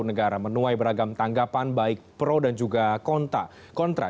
negara menuai beragam tanggapan baik pro dan juga kontra